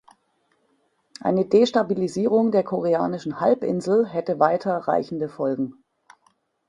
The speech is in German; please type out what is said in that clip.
Eine Destabilisierung der koreanischen Halbinsel hätte weiter reichende Folgen.